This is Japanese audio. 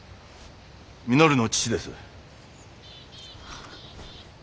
稔の父です。